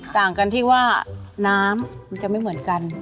ต่างกันที่ว่าน้ำมันจะไม่เหมือนกัน